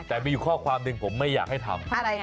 แต่มีอยู่ข้อความหนึ่งผมไม่อยากให้ทำ